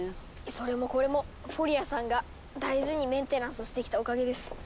それもこれもフォリアさんが大事にメンテナンスしてきたおかげです！